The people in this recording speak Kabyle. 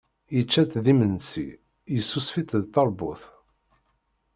Yečča-tt d imensi, yessusef-itt d tarbut.